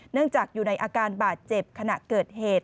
จากอยู่ในอาการบาดเจ็บขณะเกิดเหตุ